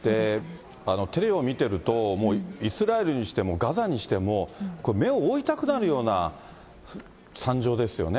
テレビを見てると、もうイスラエルにしてもガザにしても、これ、目を覆いたくなるような惨状ですよね。